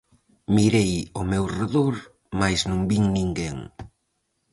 Mirei ao meu redor, mais non vin ninguén.